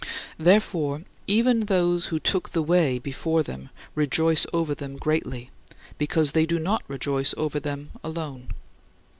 Therefore, even those who took the way before them rejoice over them greatly, because they do not rejoice over them alone.